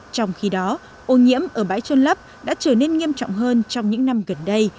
trong khi đó ô nhiễm ở bãi trôn lấp đã trở nên nghiêm trọng hơn trong những năm gần đây